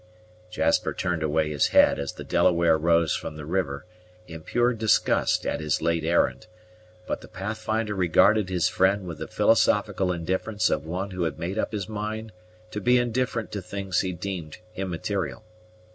Jasper turned away his head as the Delaware rose from the water, in pure disgust at his late errand; but the Pathfinder regarded his friend with the philosophical indifference of one who had made up his mind to be indifferent to things he deemed immaterial.